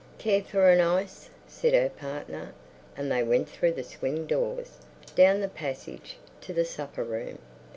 "Care for an ice?" said her partner. And they went through the swing doors, down the passage, to the supper room.